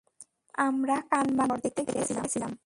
আমরা কানমাণির বর দেখতে গেয়েছিলাম।